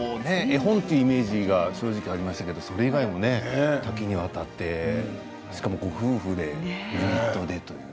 絵本というイメージがありましたけれどそれ以外、多岐にわたってしかもご夫婦でユニットで。